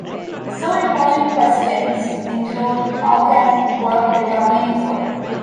So important questions include How can work become meaningful?